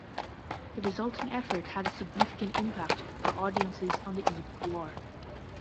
The resulting effort had a significant impact for audiences on the eve of war.